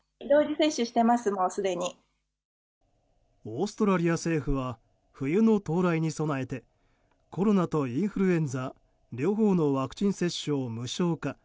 オーストラリア政府は冬の到来に備えてコロナとインフルエンザ両方のワクチン接種を無償化。